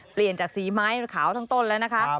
เปลี่ยนจากสีไม้ขาวทั้งต้นแล้วนะคะ